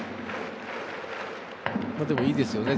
でも、いいですよね